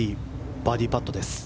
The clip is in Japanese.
バーディーパットです。